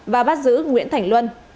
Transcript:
và bắt giữ nguyễn thành luân